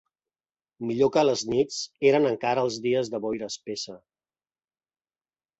Millor que les nits eren encara els dies de boira espessa